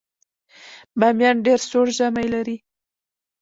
بامیان ډیر سوړ ژمی لري